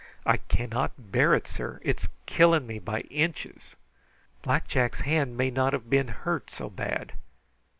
I cannot hear it, sir. It's killing me by inches! Black Jack's hand may not have been hurt so bad.